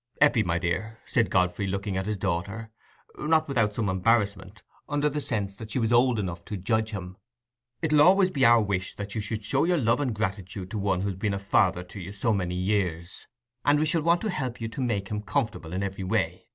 "Eppie, my dear," said Godfrey, looking at his daughter, not without some embarrassment, under the sense that she was old enough to judge him, "it'll always be our wish that you should show your love and gratitude to one who's been a father to you so many years, and we shall want to help you to make him comfortable in every way.